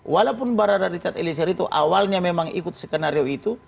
walaupun barada richard eliezer itu awalnya memang ikut skenario itu